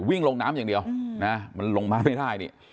วิ่งลงน้ำอย่างเดียวนะมันลงมาไม่ได้นี่